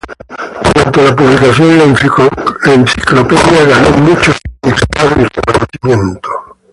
Durante la publicación, la enciclopedia ganó mucho significado y reconocimiento.